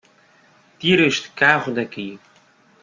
Tire este carro daqui!